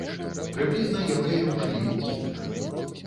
Прыблізна яўрэяў жылі ў гета.